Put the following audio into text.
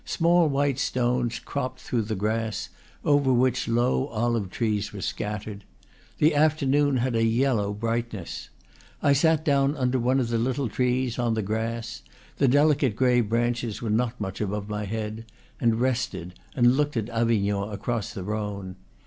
Small white stones cropped through the grass, over which low olive trees were scattered. The afternoon had a yellow bright ness. I sat down under one of the little trees, on the grass, the delicate gray branches were not much above my head, and rested, and looked at Avignon across the Rhone.